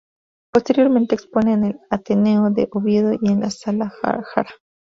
Posteriormente, expone en el Ateneo de Oviedo y en la Sala Jara.